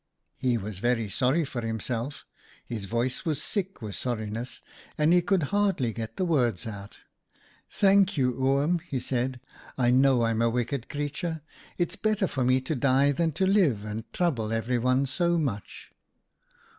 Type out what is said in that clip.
He was very sorry for himself. His voice was thick with sorriness, and he could hardly get the words out. M< Thank you, Oom,' he said. 'I know I'm a wicked creature. It's better for me to die than to live and trouble everyone so much.'